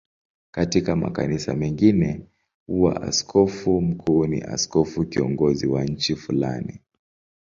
Katika makanisa mengine huwa askofu mkuu ni askofu kiongozi wa nchi fulani.